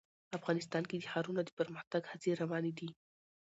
افغانستان کې د ښارونه د پرمختګ هڅې روانې دي.